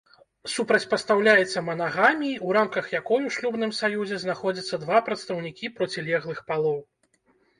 Супрацьпастаўляецца манагаміі, у рамках якой у шлюбным саюзе знаходзяцца два прадстаўнікі процілеглых палоў.